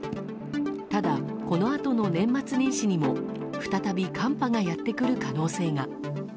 ただ、このあとの年末年始にも再び寒波がやってくる可能性が。